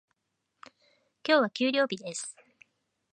今日は給料日です。